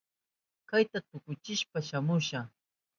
Kayta tukuchishpa shamusha.